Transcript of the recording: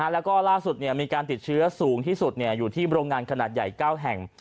แล้วก็ล่าสุดมีการติดเชื้อสูงที่สุดอยู่ที่โรงงานขนาดใหญ่๙แห่ง